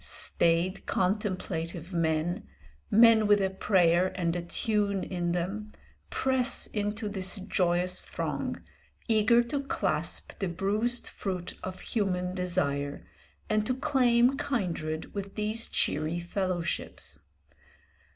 Staid, contemplative men, men with a prayer and a tune in them, press into this joyous throng, eager to clasp the bruised fruit of human desire and to claim kindred with these cheery fellowships.